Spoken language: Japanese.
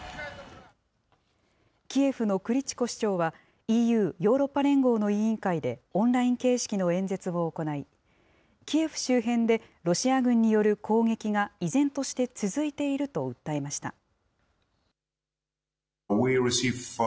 キエフのクリチコ市長は、ＥＵ・ヨーロッパ連合の委員会で、オンライン形式の演説を行い、キエフ周辺でロシア軍による攻撃が依然として続いていると訴えました。